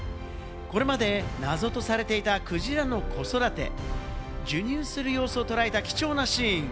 これまで謎とされていたクジラの子育て、授乳する様子を捉えた貴重なシーン。